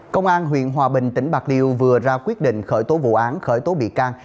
công an huyện hòa bình tỉnh bạc liêu vừa ra quyết định khởi tố vụ án khởi tố bị can